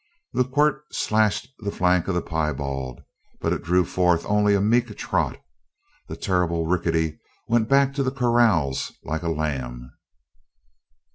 The quirt slashed the flank of the piebald but it drew forth only a meek trot. The terrible Rickety went back to the corrals like a lamb!